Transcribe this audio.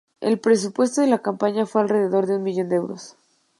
El presupuesto de la campaña fue alrededor de un millón de euros.